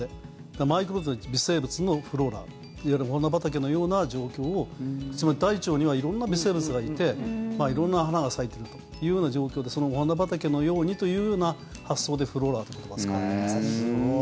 だから微生物のフローラいわゆるお花畑のような状況をつまり大腸には色んな微生物がいて色んな花が咲いているというような状況でそのお花畑のようにというような発想でフローラという言葉を使っています。